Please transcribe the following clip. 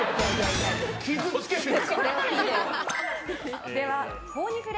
傷つけてる。